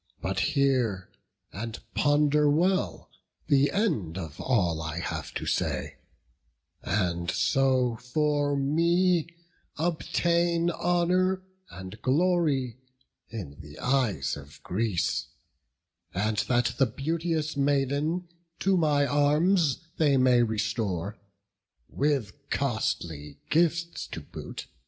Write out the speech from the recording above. But hear, and ponder well the end of all I have to say, and so for me obtain Honour and glory in the eyes of Greece; And that the beauteous maiden to my arms They may restore, with costly gifts to boot.